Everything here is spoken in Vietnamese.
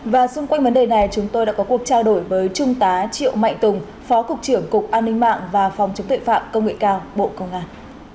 và xung quanh vấn đề này chúng tôi đã có cuộc trao đổi với trung tá triệu mạnh tùng phó cục trưởng cục an ninh mạng và phòng chống tuệ phạm công nghệ cao bộ công an